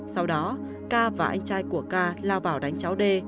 sau đó ca và anh trai của ca lao vào đánh cháu d